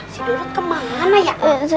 si dut kemana ya